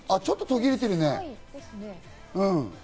ちょっと途切れてるね。